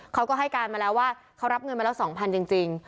เขาก็ให้การมาแล้วว่าเขารับเงินมาแล้ว๒๐๐จริง